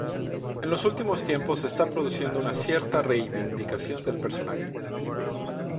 En los últimos tiempos se está produciendo una cierta reivindicación del personaje.